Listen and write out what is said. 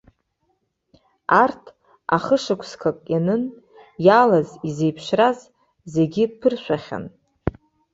Арҭ ахышықәсак ианын, иалаз, изеиԥшраз зегьы ԥыршәахьан.